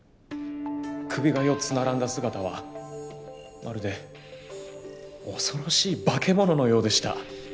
首が４つ並んだ姿はまるで恐ろしい化け物のようでした。